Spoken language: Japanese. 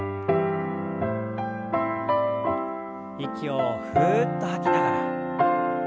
息をふっと吐きながら。